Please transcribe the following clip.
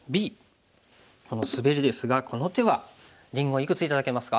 このスベリですがこの手はりんごいくつ頂けますか？